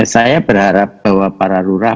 saya berharap bahwa para lurah